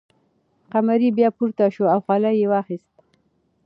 قمري بیا پورته شوه او خلی یې واخیست.